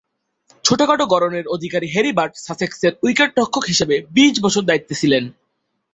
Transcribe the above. ছোটখাটো গড়নের অধিকারী হ্যারি বাট সাসেক্সের উইকেট-রক্ষক হিসেবে বিশ বছর দায়িত্বে ছিলেন।